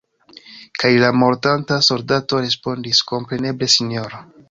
Kaj la mortanta soldato respondis: “Kompreneble, sinjoro!